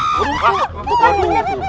itu itu kan benar